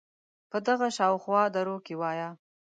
په دغه شااو خوا دروکې وایه